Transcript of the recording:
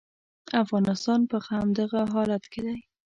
افغانستان په همدغه حالت کې دی.